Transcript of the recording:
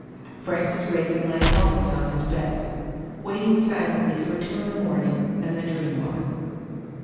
Francis Raven lay helpless on his bed; waiting silently for two in the morning and the Dream Woman.